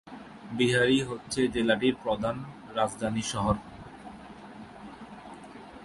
বিহারি হচ্ছে জেলাটির প্রধান রাজধানী শহর।